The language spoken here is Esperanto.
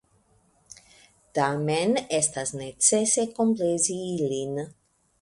Tamen estas necese komplezi ilin.